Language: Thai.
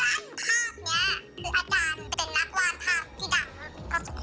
เราก็บอกคนเสร็จตายว่าขอจิ่ง